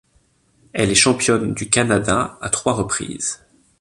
Elle est championne du Canada à trois reprises.